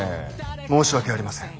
申し訳ありません。